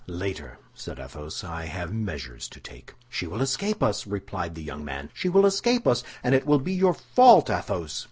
"Later," said Athos. "I have measures to take." "She will escape us," replied the young man; "she will escape us, and it will be your fault, Athos."